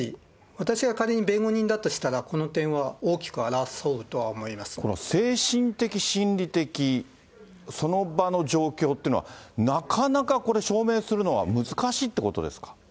私が仮に弁護人だとしたら、この精神的、心理的、その場の状況というのは、なかなかこれ、証明するのは難しいっていうことですか？